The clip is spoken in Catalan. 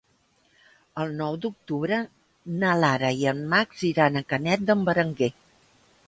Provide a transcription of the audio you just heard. El nou d'octubre na Lara i en Max iran a Canet d'en Berenguer.